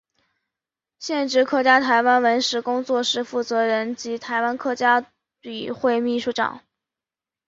现职客家台湾文史工作室负责人及台湾客家笔会秘书长。